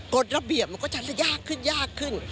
กฎระเบียบมันก็จะยากขึ้นยากขึ้น